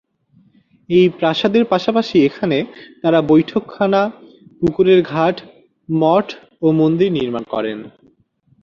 এই প্রাসাদের পাশাপাশি এখানে তারা বৈঠকখানা, পুকুরের ঘাট, মঠ ও মন্দির নির্মাণ করেন।